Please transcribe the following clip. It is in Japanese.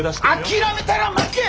諦めたら負け！